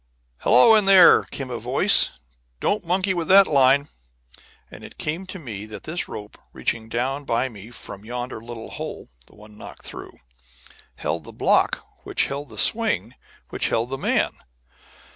"Hello in there!" came a voice. "Don't monkey with that line." And it came to me that this rope, reaching down by me from yonder little hole (the one knocked through), held the block which held the swing which held the man.